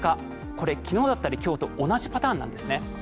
これは昨日だったり今日と同じパターンなんですね。